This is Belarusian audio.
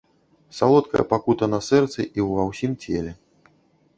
Салодкая пакута на сэрцы і ўва ўсім целе.